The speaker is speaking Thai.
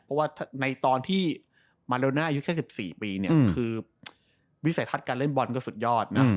เพราะว่าในตอนที่มาเลน่าอายุแค่๑๔ปีเนี่ยคือวิสัยทัศน์การเล่นบอลก็สุดยอดนะ